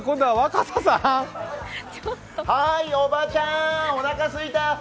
はーい、おばちゃん、おなかすいた。